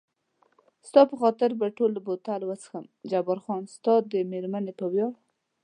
ستا په خاطر به ټوله بوتل وڅښم، جبار خان ستا د مېرمنې په ویاړ.